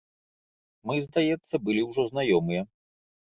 Мы, здаецца, былі ўжо знаёмыя.